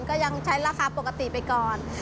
ก็ยังใช้ราคาปกติไปก่อน